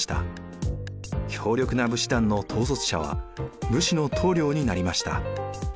強力な武士団の統率者は武士の棟梁になりました。